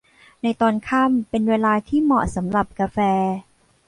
ในตอนค่ำเป็นเวลาที่เหมาะสำหรับกาแฟ